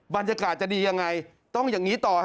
บรรยากาศจะดียังไงต้องอย่างนี้ต่อ